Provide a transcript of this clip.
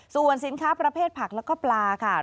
ส่วนสินค้าประเภทผักแล้วก็ปลาค่ะ